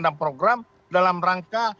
dan program dalam rangka